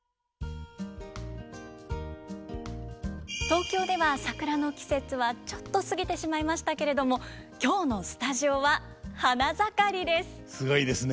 東京では桜の季節はちょっと過ぎてしまいましたけれども今日のスタジオは花盛りです。